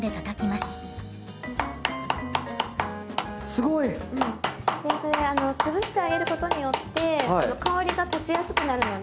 すごい！それ潰してあげることによって香りが立ちやすくなるので。